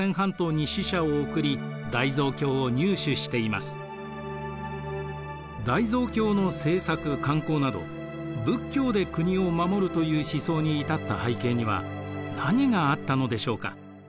また日本でも大蔵経の製作・刊行など仏教で国を護るという思想に至った背景には何があったのでしょうか？